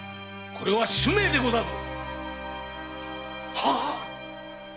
これは主命でござるぞ！